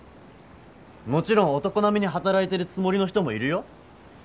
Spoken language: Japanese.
もちろん男並みに働いてるつもりの人もいるよ